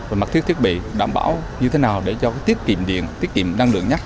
và mặc thiết thiết bị đảm bảo như thế nào để cho tiết kiệm điện tiết kiệm năng lượng nhất